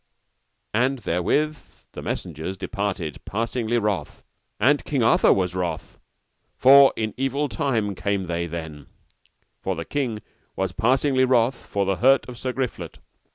And therewith the messengers departed passingly wroth, and King Arthur as wroth, for in evil time came they then; for the king was passingly wroth for the hurt of Sir Griflet.